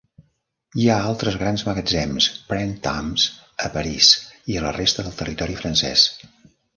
Hi ha altres grans magatzems Printemps a París i a la resta del territori francès.